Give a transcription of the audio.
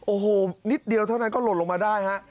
โอ้โหนิดเดียวเท่านั้นก็หล่นลงมาได้ฮะ